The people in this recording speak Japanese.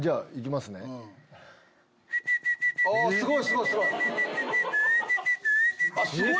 すごいすごいすごい！